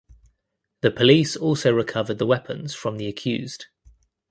The police also recovered the weapons from the accused.